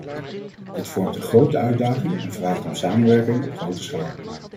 Dit vormt een grote uitdaging en vraagt om samenwerking op grote schaal.